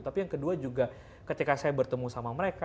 tapi yang kedua juga ketika saya bertemu sama mereka